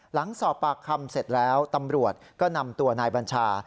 หลังสอบปากคำเสร็จแล้วตำรวจก็นำตัวนายบัญชา